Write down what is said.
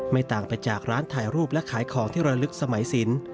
ต่างไปจากร้านถ่ายรูปและขายของที่ระลึกสมัยสิน